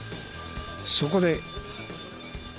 そこで。